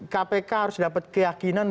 kpk harus dapat keyakinan